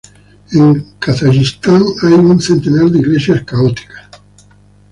En Kazajistán hay un centenar de iglesias católicas.